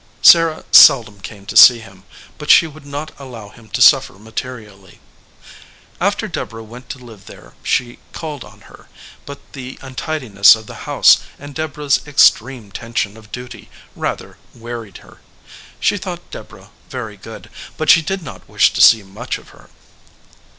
Sarah seldom came to see him, but she would not allow him to suffer materially. After Deborah went to live there she called on her, but the untidiness of the house and Deborah s extreme tension of duty rather wearied her. She thought Deborah very good, but she did not wish to see much of her.